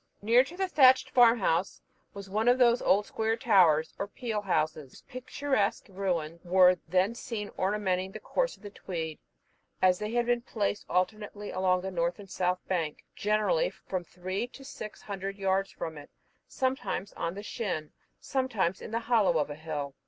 Near to the thatched farmhouse was one of those old square towers, or peel houses, whose picturesque ruins were then seen ornamenting the course of the Tweed, as they had been placed alternately along the north and south bank, generally from three to six hundred yards from it sometimes on the shin, and sometimes in the hollow of a hill.